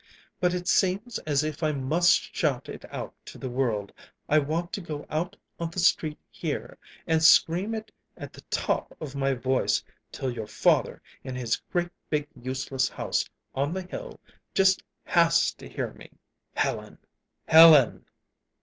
"But it seems as if I must shout it to the world. I want to go out on the street here and scream it at the top of my voice, till your father in his great big useless house on the hill just has to hear me." "Helen, Helen!"